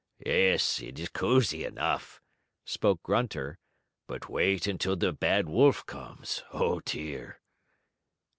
"Yes, it is cozy enough," spoke Grunter, "but wait until the bad wolf comes. Oh, dear!"